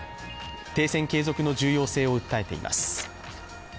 停戦継続の重要性を訴えています。